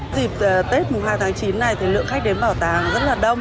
dịp tết hai tháng chín này thì lượng khách đến bảo tàng rất là đông